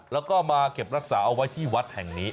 แล้วก็มาเก็บรักษาเอาไว้ที่วัดแห่งนี้